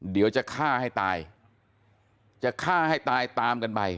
เดี๋ยวจะฆ่าให้ตายจะฆ่าให้ตายตามกันไป